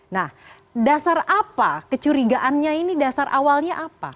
nah dasar apa kecurigaannya ini dasar awalnya apa